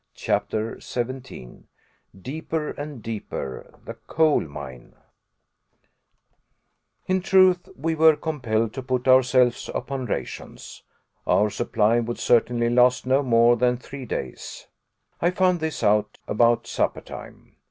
CHAPTER 17 DEEPER AND DEEPER THE COAL MINE In truth, we were compelled to put ourselves upon rations. Our supply would certainly last not more than three days. I found this out about supper time.